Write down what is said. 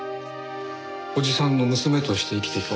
おじさんの娘として生きていく